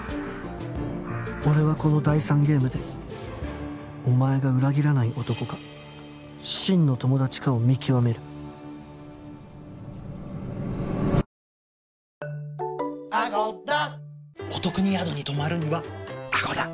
俺はこの第３ゲームでお前が裏切らない男か真の友達かを見極めるどうした？